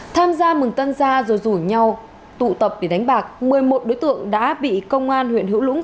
tham gia mừng tân gia rồi rủ nhau tụ tập để đánh bạc một mươi một đối tượng đã bị công an huyện hữu lũng